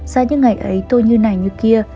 giá như ngày ấy tôi như này như kia